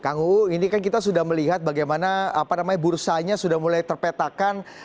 kang uu ini kan kita sudah melihat bagaimana bursanya sudah mulai terpetakan